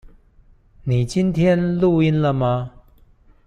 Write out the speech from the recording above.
你今天錄音了嗎？